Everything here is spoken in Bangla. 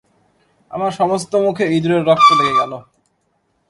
আমার সমস্ত মুখে ইঁদুরের রক্ত লেগে গেল।